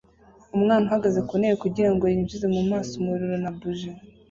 Umwana uhagaze ku ntebe kugirango yinjize mu maso umuriro na buji